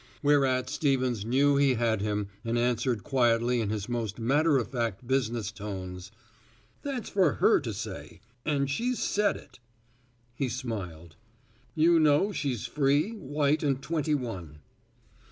Whereat Stevens knew he had him and answered quietly in his most matter of fact business tones, "That's for her to say and she's said it." He smiled. "You know she's free, white, and twenty one."